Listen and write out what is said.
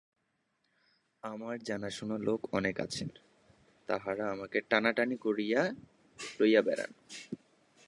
আমার জানাশুনা লোক অনেক আছেন, তাঁহারা আমাকে টানাটানি করিয়া লইয়া বেড়ান।